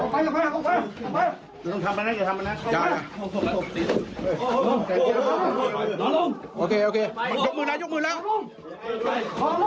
เปิดไฟ